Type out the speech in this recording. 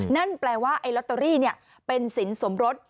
นั่นแปลว่าไอ้ลอตเตอรี่เป็นสินสมรส